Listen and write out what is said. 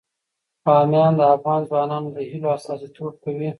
بامیان د افغان ځوانانو د هیلو استازیتوب کوي.